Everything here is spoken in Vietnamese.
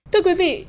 thưa quý vị